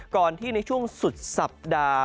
ก่อนที่ในช่วงสุดสัปดาห์